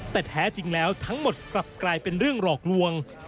แต่แท้จริงแล้วทั้งหมดกลับกลายเป็นเรื่องหลอกลวง